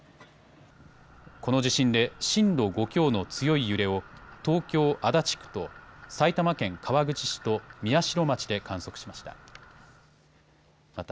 この地震で震度５強の強い揺れを東京足立区と埼玉県川口市と宮代町で観測しました。